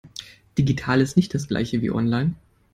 Digital ist nicht das Gleiche wie online.